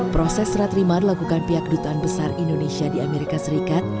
proses serat terima dilakukan pihak dutaan besar indonesia di amerika serikat